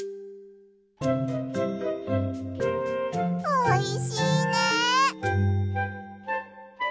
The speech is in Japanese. おいしいね！